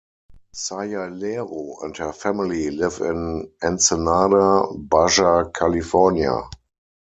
Sayalero and her family live in Ensenada, Baja California.